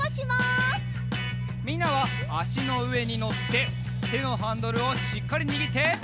みんなはあしのうえにのっててのハンドルをしっかりにぎって。